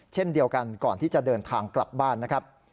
เช่นเดียวกันก่อนที่จะเดินทางกลับบ้านนะครับ